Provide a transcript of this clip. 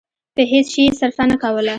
په هېڅ شي يې صرفه نه کوله.